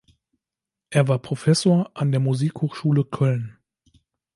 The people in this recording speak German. Er war Professor an der Musikhochschule Köln.